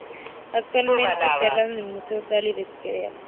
Actualmente enterrado en el Museo Dalí de Figueras.